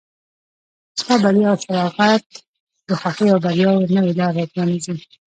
ستا بریا او فارغت د خوښیو او بریاوو نوې لاره پرانیزي.